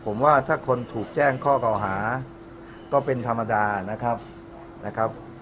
ผมว่าถ้าคนถูกแจ้งข้อเก่าหาก็เป็นธรรมดานะครับนะครับ